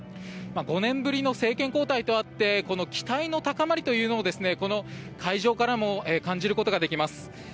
５年ぶりの政権交代とあって期待の高まりというのをこの会場からも感じることができます。